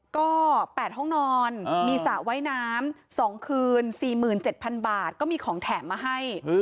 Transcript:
ก็๘ห้องนอนมีสระว่ายน้ำ๒คืน๔๗๐๐บาทก็มีของแถมมาให้